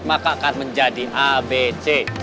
maka akan menjadi abc